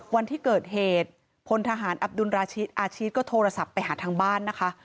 วันที่เกิดเหตุพลทหารอับดุลราชิตอาชีพก็โทรศัพท์ไปหาทางบ้านนะคะ